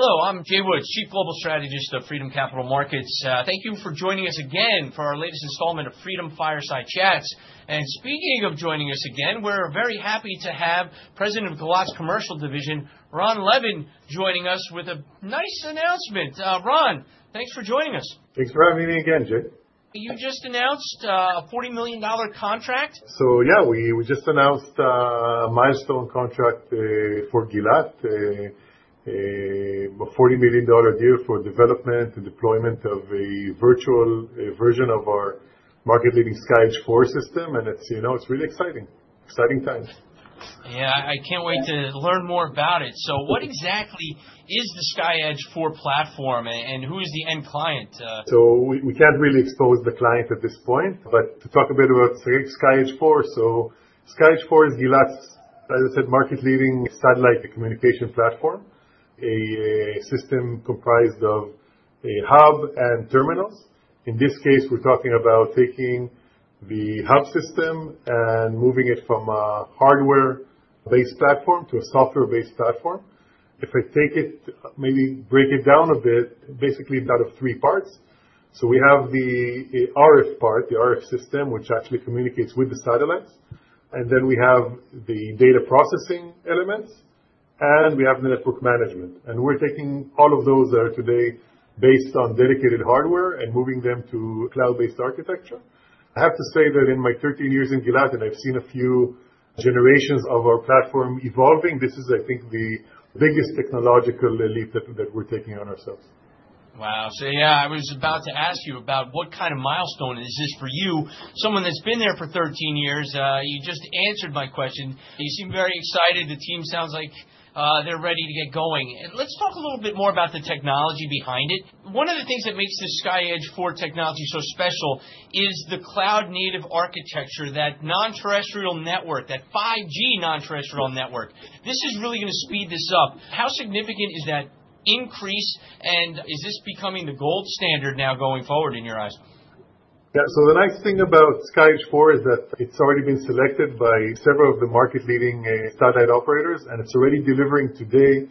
Hello. I'm Jay Woods, Chief Global Strategist of Freedom Capital Markets. Thank you for joining us again for our latest installment of Freedom Fireside Chats. Speaking of joining us again, we're very happy to have President of Gilat's Commercial Division, Ron Levin, joining us with a nice announcement. Ron, thanks for joining us. Thanks for having me again, Jay. You just announced a $40 million contract. Yeah, we just announced a milestone contract for Gilat, a $40 million deal for development and deployment of a virtual version of our market-leading SkyEdge IV system. It is really exciting. Exciting times. Yeah, I can't wait to learn more about it. What exactly is the SkyEdge IV platform, and who is the end client? We can't really expose the client at this point, but to talk a bit about SkyEdge IV. SkyEdge IV is Gilat's, as I said, market-leading satellite communication platform, a system comprised of a hub and terminals. In this case, we're talking about taking the hub system and moving it from a hardware-based platform to a software-based platform. If I take it, maybe break it down a bit, basically out of three parts. We have the RF part, the RF system, which actually communicates with the satellites. Then we have the data processing elements, and we have the network management. We're taking all of those that are today based on dedicated hardware and moving them to cloud-based architecture. I have to say that in my 13 years in Gilat, and I've seen a few generations of our platform evolving, this is, I think, the biggest technological leap that we're taking on ourselves. Wow. Yeah, I was about to ask you about what kind of milestone is this for you, someone that's been there for 13 years. You just answered my question. You seem very excited. The team sounds like they're ready to get going. Let's talk a little bit more about the technology behind it. One of the things that makes this SkyEdge IV technology so special is the cloud-native architecture, that non-terrestrial network, that 5G non-terrestrial network. This is really going to speed this up. How significant is that increase, and is this becoming the gold standard now going forward in your eyes? Yeah. So the nice thing about SkyEdge IV is that it's already been selected by several of the market-leading satellite operators, and it's already delivering today,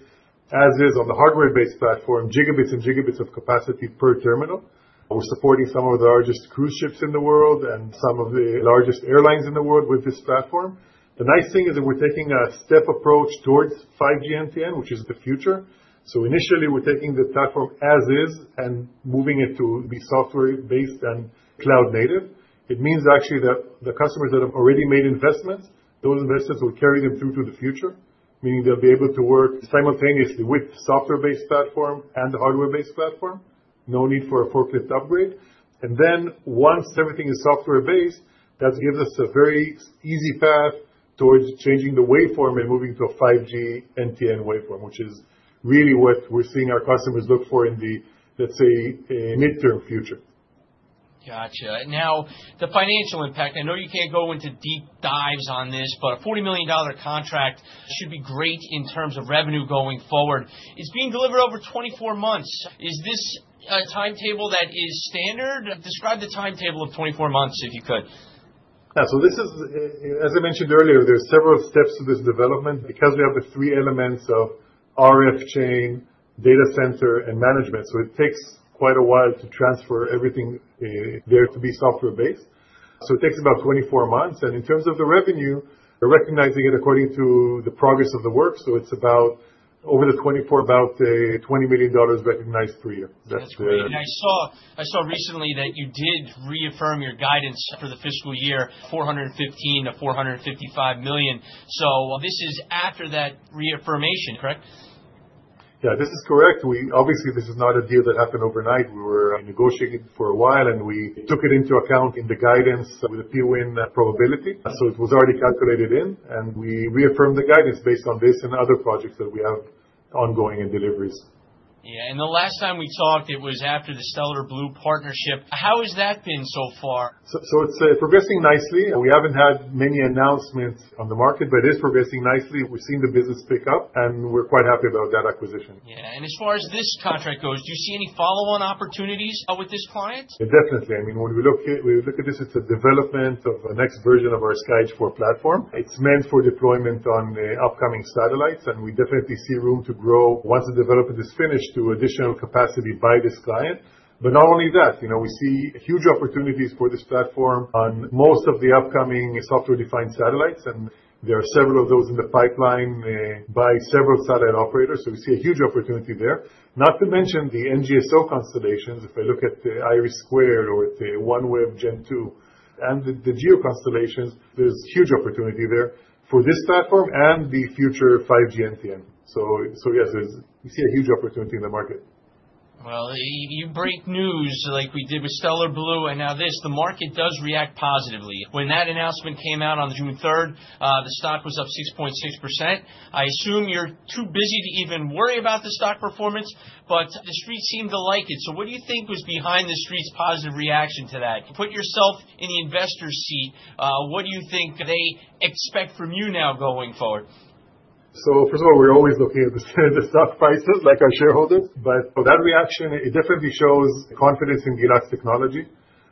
as is on the hardware-based platform, gigabits and gigabits of capacity per terminal. We're supporting some of the largest cruise ships in the world and some of the largest airlines in the world with this platform. The nice thing is that we're taking a step approach towards 5G NTN, which is the future. Initially, we're taking the platform as is and moving it to be software-based and cloud-native. It means actually that the customers that have already made investments, those investments will carry them through to the future, meaning they'll be able to work simultaneously with the software-based platform and the hardware-based platform, no need for a forklift upgrade. Once everything is software-based, that gives us a very easy path towards changing the waveform and moving to a 5G NTN waveform, which is really what we're seeing our customers look for in the, let's say, midterm future. Gotcha. Now, the financial impact, I know you can't go into deep dives on this, but a $40 million contract should be great in terms of revenue going forward. It's being delivered over 24 months. Is this a timetable that is standard? Describe the timetable of 24 months if you could. Yeah. This is, as I mentioned earlier, there are several steps to this development because we have the three elements of RF chain, data center, and management. It takes quite a while to transfer everything there to be software-based. It takes about 24 months. In terms of the revenue, we're recognizing it according to the progress of the work. It is about, over the 24, about $20 million recognized per year. That's great. I saw recently that you did reaffirm your guidance for the fiscal year, $415 million-$455 million. This is after that reaffirmation, correct? Yeah, this is correct. Obviously, this is not a deal that happened overnight. We were negotiating for a while, and we took it into account in the guidance with a PWIN probability. So it was already calculated in, and we reaffirmed the guidance based on this and other projects that we have ongoing and deliveries. Yeah. The last time we talked, it was after the Stellar Blu partnership. How has that been so far? It is progressing nicely. We haven't had many announcements on the market, but it is progressing nicely. We've seen the business pick up, and we're quite happy about that acquisition. Yeah. As far as this contract goes, do you see any follow-on opportunities with this client? Definitely. I mean, when we look at this, it's a development of the next version of our SkyEdge IV platform. It's meant for deployment on upcoming satellites, and we definitely see room to grow once the development is finished to additional capacity by this client. Not only that, we see huge opportunities for this platform on most of the upcoming software-defined satellites. There are several of those in the pipeline by several satellite operators. We see a huge opportunity there. Not to mention the NGSO constellations. If I look at the IRIS2 or the OneWeb Gen2 and the Geo constellations, there's huge opportunity there for this platform and the future 5G NTN. Yes, we see a huge opportunity in the market. You break news like we did with Stellar Blu, and now this, the market does react positively. When that announcement came out on June 3rd, the stock was up 6.6%. I assume you're too busy to even worry about the stock performance, but the street seems to like it. What do you think was behind the street's positive reaction to that? Put yourself in the investor's seat. What do you think they expect from you now going forward? First of all, we're always looking at the stock prices like our shareholders. That reaction definitely shows confidence in Gilat's technology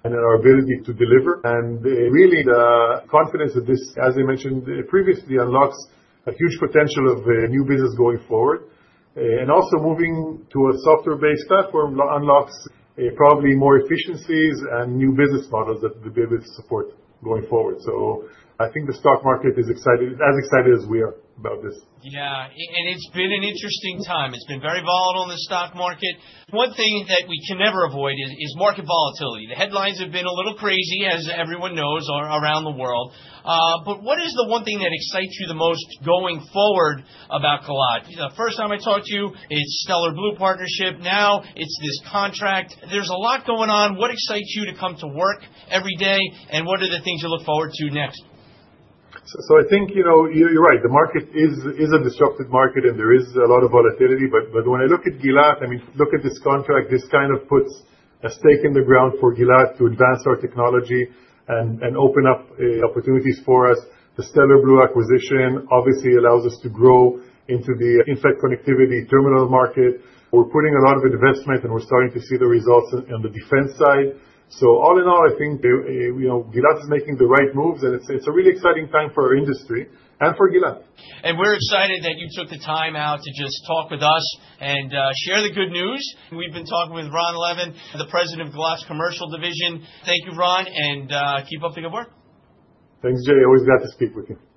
and in our ability to deliver. Really, the confidence of this, as I mentioned previously, unlocks a huge potential of new business going forward. Also, moving to a software-based platform unlocks probably more efficiencies and new business models that will be able to support going forward. I think the stock market is excited, as excited as we are about this. Yeah. It's been an interesting time. It's been very volatile in the stock market. One thing that we can never avoid is market volatility. The headlines have been a little crazy, as everyone knows, around the world. What is the one thing that excites you the most going forward about Gilat? The first time I talked to you, it's Stellar Blu partnership. Now it's this contract. There's a lot going on. What excites you to come to work every day, and what are the things you look forward to next? I think you're right. The market is a disruptive market, and there is a lot of volatility. When I look at Gilat, I mean, look at this contract. This kind of puts a stake in the ground for Gilat to advance our technology and open up opportunities for us. The Stellar Blu acquisition obviously allows us to grow into the infrared connectivity terminal market. We're putting a lot of investment, and we're starting to see the results on the defense side. All in all, I think Gilat is making the right moves, and it's a really exciting time for our industry and for Gilat. We're excited that you took the time out to just talk with us and share the good news. We've been talking with Ron Levin, the President of Gilat's Commercial Division. Thank you, Ron, and keep up the good work. Thanks, Jay. Always glad to speak with you.